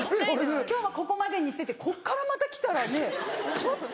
今日はここまでにしててこっからまた来たらねちょっと。